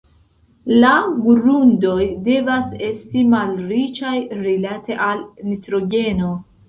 La grundoj devas esti malriĉaj rilate al nitrogeno.